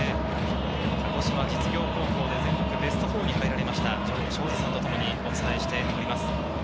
鹿児島実業高校で全国ベスト４に入られました城彰二さんと共にお伝えしています。